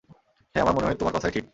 হ্যাঁ, আমার মনে হয় তোমার কথাই ঠিক।